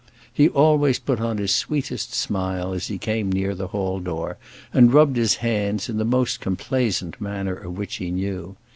He always put on his sweetest smile as he came near the hall door, and rubbed his hands in the most complaisant manner of which he knew.